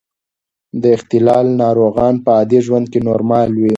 د اختلال ناروغان په عادي ژوند کې نورمال وي.